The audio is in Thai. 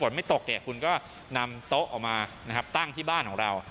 ไม่ตกเนี่ยคุณก็นำโต๊ะออกมานะครับตั้งที่บ้านของเรา